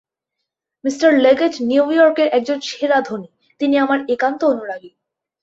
Me Leggett নিউ ইয়র্কের একজন সেরা ধনী, তিনি আমার একান্ত অনুরাগী।